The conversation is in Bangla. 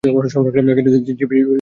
জিপে উঠে বসুন!